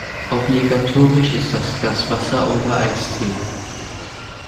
Obligatorisch ist das Glas Wasser oder Eistee.